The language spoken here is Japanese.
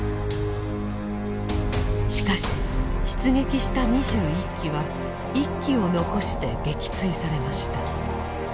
しかし出撃した２１機は１機を残して撃墜されました。